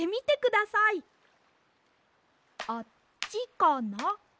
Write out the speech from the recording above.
あっちかな？